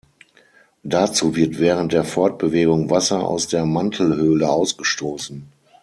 Dazu wird während der Fortbewegung Wasser aus der Mantelhöhle ausgestoßen.